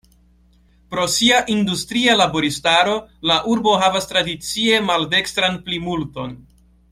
Pro sia industria laboristaro la urbo havas tradicie maldekstran plimulton.